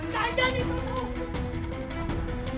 kak anjani tunggu